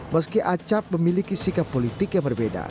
meski acap memiliki sikap politik yang berbeda